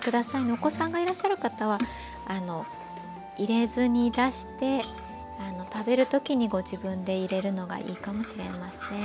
お子さんがいらっしゃる方は入れずに出して食べる時にご自分で入れるのがいいかもしれません。